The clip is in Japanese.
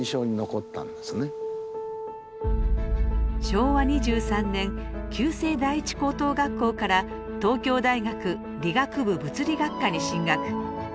昭和２３年旧制第一高等学校から東京大学理学部物理学科に進学。